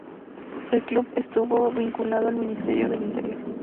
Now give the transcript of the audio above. El club estuvo vinculado al Ministerio del Interior.